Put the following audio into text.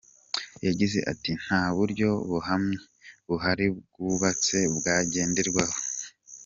Yagize ati “Nta buryo buhamye buhari bwubatse bwagenderwaho.